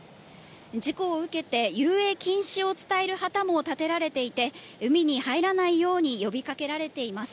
事故を受けて遊泳禁止を伝える旗も立てられていて、海に入らないように呼びかけられています。